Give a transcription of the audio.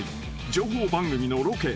［情報番組のロケ］